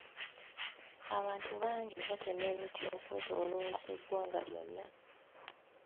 Abantu bangi batema emiti okwetooloola eggwanga lyonna.